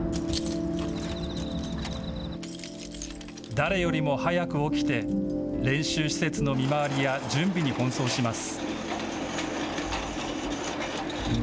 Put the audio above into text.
誰よりも早く起きて練習施設の見回りや準備に奔走します。